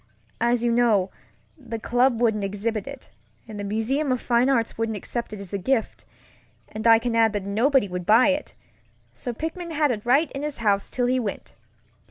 As you know, the club wouldn't exhibit it, and the Museum of Fine Arts wouldn't accept it as a gift; and I can add that nobody would buy it, so Pickman had it right in his house till he went.